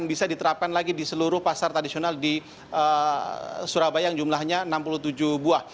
bisa diterapkan lagi di seluruh pasar tradisional di surabaya yang jumlahnya enam puluh tujuh buah